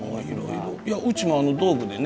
いやうちも道具でね